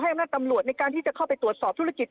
อำนาจตำรวจในการที่จะเข้าไปตรวจสอบธุรกิจ